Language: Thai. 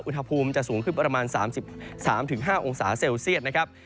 อุณหภูมิจะสูงขึ้นประมาณ๓๓๕องศาเซลเซียตนะครับ